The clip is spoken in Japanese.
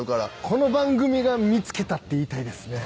この番組が見つけたって言いたいですね。